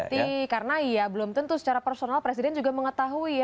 pasti karena belum tentu secara personal presiden juga mengetahui